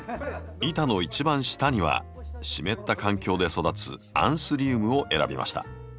板の一番下には湿った環境で育つアンスリウムを選びました。